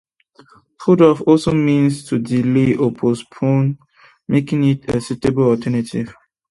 "Put off" also means to delay or postpone, making it a suitable alternative.